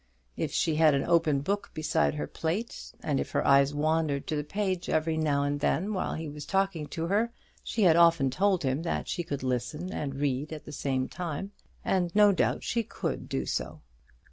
If she had an open book beside her plate, and if her eyes wandered to the page every now and then while he was talking to her, she had often told him that she could listen and read at the same time; and no doubt she could do so.